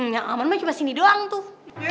yang aman mah cuma sini doang tuh